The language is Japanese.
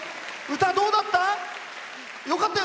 歌、どうだった？